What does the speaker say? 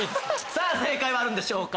さぁ正解はあるんでしょうか？